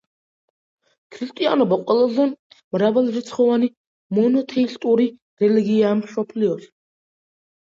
ქრისტიანობა ყველაზე მრავალრიცხოვანი მონოთეისტური რელიგიაა მსოფლიოში.